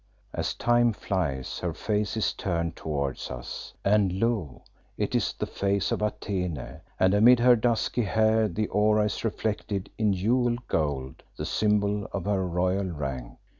As time flies her face is turned towards us, and lo! it is the face of Atene, and amid her dusky hair the aura is reflected in jewelled gold, the symbol of her royal rank.